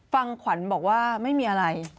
ฟังขวัญบอกว่าไม่มีอะไร